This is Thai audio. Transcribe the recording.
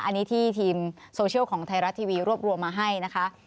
อันนี้ที่ทีมโซเชียลของไทยรัฐทีวีรวบรวมมาให้นะคะ